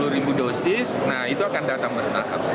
dua puluh ribu dosis nah itu akan datang bertahap